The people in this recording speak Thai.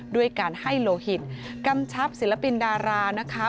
ด้วยการให้โลหิตกำชับศิลปินดารานะคะ